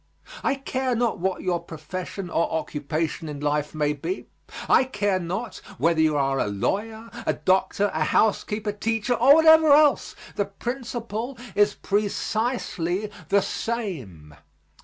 I care not what your profession or occupation in life may be; I care not whether you are a lawyer, a doctor, a housekeeper, teacher or whatever else, the principle is precisely the same.